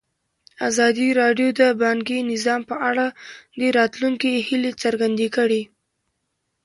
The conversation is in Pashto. ازادي راډیو د بانکي نظام په اړه د راتلونکي هیلې څرګندې کړې.